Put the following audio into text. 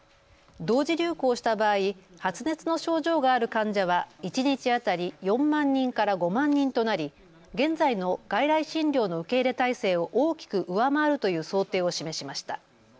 同時流行した場合、発熱の症状がある患者は一日当たり４万人から５万人となり現在の外来診療の受け入れ体制を大きく上回るという想定を示しました。